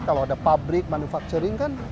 kalau ada pabrik manufacturing kan